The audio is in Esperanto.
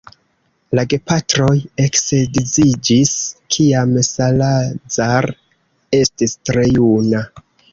La gepatroj eksedziĝis kiam Salazar estis tre juna.